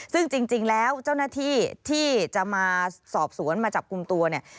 ซึ่งจริงแล้วเจ้าหน้าที่ที่จะมาสอบสวนมาจับกลุ่มตัวเนี่ย